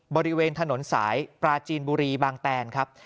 บริเวณถนนสายปราจีนบุรีบางแตนครับ